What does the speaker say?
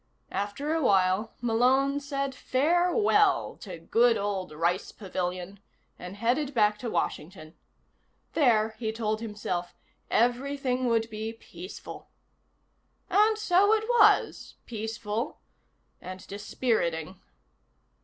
After a while, Malone said farewell to good old Rice Pavilion, and headed back to Washington. There, he told himself, everything would be peaceful. And so it was. Peaceful and dispiriting.